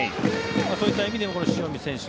そういった意味でもこの塩見選手